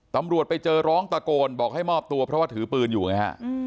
ตำรวจไปเจอร้องตะโกนบอกให้มอบตัวเพราะว่าถือปืนอยู่ไงฮะ